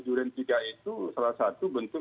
tahun dua ribu tiga itu salah satu bentuk